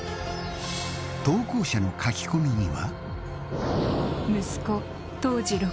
投稿者の書き込みには。